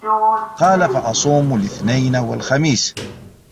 قَالَ فَأَصُومُ الِاثْنَيْنِ وَالْخَمِيسَ